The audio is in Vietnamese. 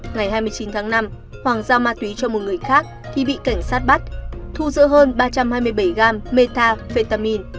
ngày hai mươi chín tháng năm hoàng giao ma túy cho một người khác thì bị cảnh sát bắt thu giữ hơn ba trăm hai mươi bảy gram metafetamin